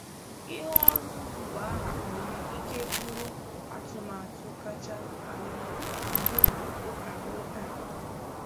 Ihe oru ngo a nwere ike bụrụ atụmatụ kacha arụrịta ụka ruo taa.